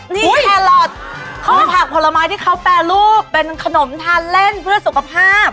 นี่แครอทข้อผักผลไม้ที่เขาแปรรูปเป็นขนมทานเล่นเพื่อสุขภาพ